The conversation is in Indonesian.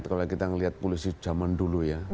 kalau kita melihat polisi zaman dulu ya